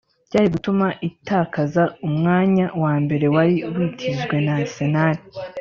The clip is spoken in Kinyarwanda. byari gutuma itakaza umwanya wa mbere wari witijwe na Arsenal